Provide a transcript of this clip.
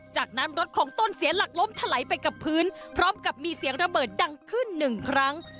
จากนั้นรถของต้นเสียหลักล้มถลายไปกับพื้นพร้อมกับมีเสียงระเบิดดังขึ้นหนึ่งครั้ง